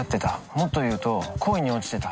もっと言うと恋に落ちてた。